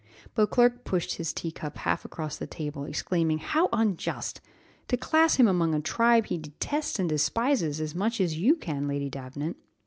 '" Beauclerc pushed away his tea cup half across the table, exclaiming, "How unjust! to class him among a tribe he detests and despises as much as you can, Lady Davenant.